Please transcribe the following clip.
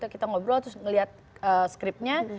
terus kita ngobrol terus ngeliat skripnya